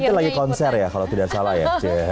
itu lagi konser ya kalau tidak salah ya